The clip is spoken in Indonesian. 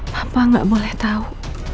papa nggak boleh tahu